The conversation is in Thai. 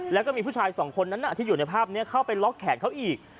แล้วก็มีผู้ชายสองคนนั้นที่อยู่ในภาพนี้เข้าไปล็อกแขนเขาอีก